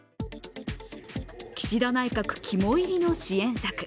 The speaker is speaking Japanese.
岸田内閣肝煎りの支援策。